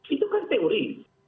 itu kan teori